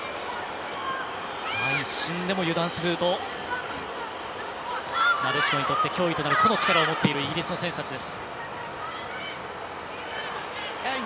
一瞬でも油断するとなでしこにとって脅威になる個の力を持っているイギリスの選手たちです。